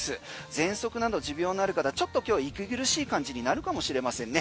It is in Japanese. ぜんそくなど持病のある方ちょっと今日息苦しい感じになるかもしれませんね。